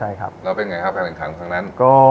แล้วเป็นไงครับแข่งแข่งขันทั้งนั้น